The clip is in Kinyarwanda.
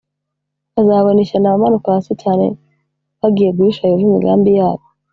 bazabona ishyano abamanuka hasi cyane bagiye guhisha yehova imigambi yabo